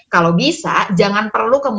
kalau bisa jangan perlu